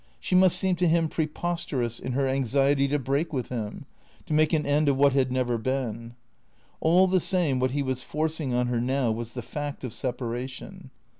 She must seem to him pre posterous in her anxiety to break with him, to make an end of what had never been. All the same, what he was forcing on her now was the fact of separation.